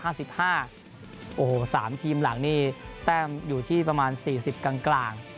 โอ้โห๓ทีมหลังนี่แต้มอยู่ที่ประมาณ๔๐กลาง